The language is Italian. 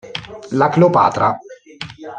La Cleopatra